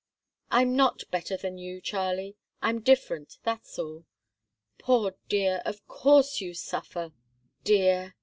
"I'm not better than you, Charlie I'm different, that's all. Poor dear! Of course you suffer!" "Dear!"